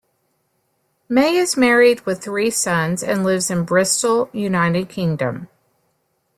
May is married with three sons and lives in Bristol, United Kingdom.